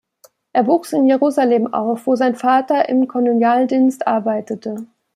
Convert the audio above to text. Er wuchs in Jerusalem auf, wo sein Vater im Kolonialdienst arbeitete.